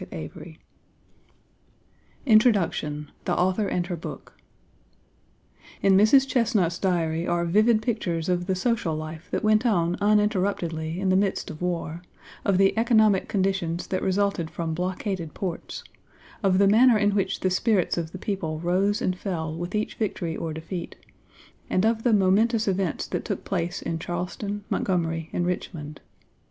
402 Page xiii INTRODUCTION THE AUTHOR AND HER BOOK IN Mrs. Chesnut's Diary are vivid pictures of the social life that went on uninterruptedly in the midst of war; of the economic conditions that resulted from blockaded ports; of the manner in which the spirits of the people rose and fell with each victory or defeat, and of the momentous events that took place in Charleston, Montgomery, and Richmond.